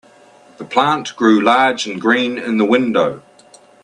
The plant grew large and green in the window.